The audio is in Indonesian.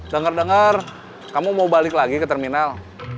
dengar dengar kamu mau balik lagi ke terminal